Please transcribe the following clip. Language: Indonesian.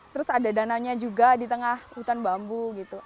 terus ada dananya juga di tengah hutan bambu gitu